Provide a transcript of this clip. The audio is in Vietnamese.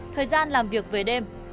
thời gian làm việc về đêm